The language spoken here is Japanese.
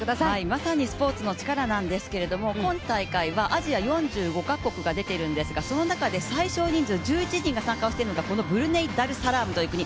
まさにスポーツのチカラなんですけども今大会はアジア４５カ国が出ているんですがその中で最少人数１１人が参加をしているのが、このブルネイ・ダルサラームという国。